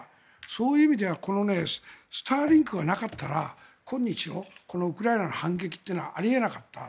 そういう意味ではこのスターリンクがなかったら今日のウクライナの反撃はあり得なかった。